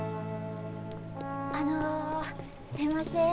あのすいません。